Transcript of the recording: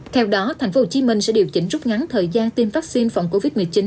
theo đó tp hcm sẽ điều chỉnh rút ngắn thời gian tiêm vaccine phòng covid một mươi chín